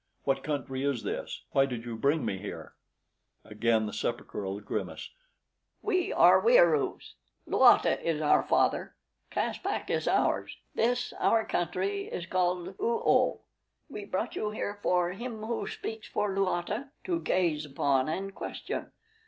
What country is this? Why did you bring me here?" Again the sepulchral grimace. "We are Wieroos Luata is our father. Caspak is ours. This, our country, is called Oo oh. We brought you here for (literally) Him Who Speaks for Luata to gaze upon and question.